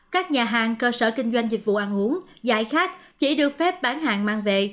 các nhà hàng cơ sở kinh doanh dịch vụ ăn uống giải khác chỉ được phép bán hàng mang về